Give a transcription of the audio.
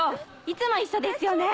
いつも一緒ですよね！